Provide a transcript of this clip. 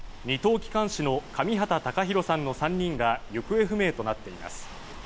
機関士の上畠隆寛さんの３人が行方不明となっています。